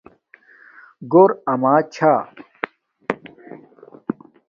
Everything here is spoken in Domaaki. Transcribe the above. گھور آما چھا